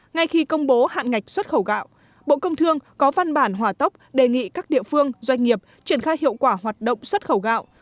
ngay khi công bố hạn ngạch xuất khẩu gạo bộ công thương có văn bản hòa tốc đề nghị các địa phương doanh nghiệp triển khai hiệu quả hoạt động xuất khẩu gạo